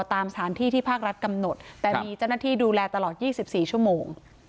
ตามสถานที่ที่ภาครัฐกำหนดแต่มีเจ้าหน้าที่ดูแลตลอด๒๔ชั่วโมง